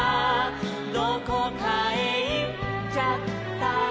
「どこかへいっちゃったしろ」